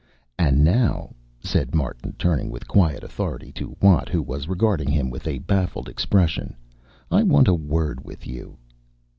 "And now," said Martin, turning with quiet authority to Watt, who was regarding him with a baffled expression, "I want a word with you."